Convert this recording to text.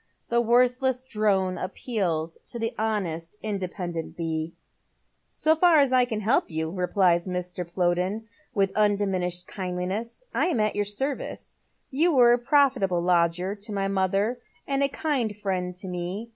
The worthless drone appeals to the honest, independent bee." " So far as I can help you," replies Mr. Plowden, with un diminished kindliness, "I am at your service. You were a profitable lodger to my mother, and a kind friend to me.